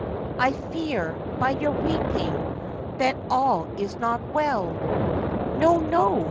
I fear, by your weeping, that all is not well!' 'No, no!